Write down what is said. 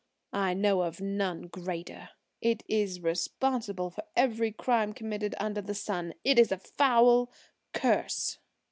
I know of none greater. It is responsible for every crime committed under the sun. It is a foul curse!"